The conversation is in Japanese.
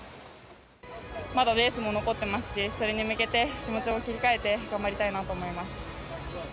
まだレースも残ってますし、それに向けて、気持ちを切り替えて頑張りたいなと思います。